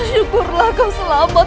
syukurlah kau selamat